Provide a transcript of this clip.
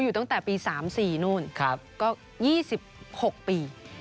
อยู่ตั้งแต่ปี๓๔นู่นก็๒๖ปี